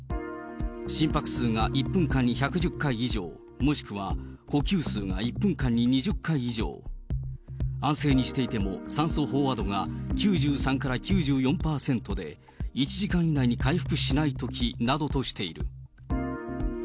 心拍数が１分間に１１０回以上、もしくは呼吸数が１分間に２０回以上、安静にしていても、酸素飽和度が９３から９４％で、１時間以内に回復しないときなどとしている。